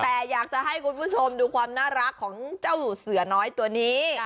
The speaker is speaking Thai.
แต่อยากจะให้คุณผู้ชมดูความน่ารักของเจ้าเสือน้อยตัวนี้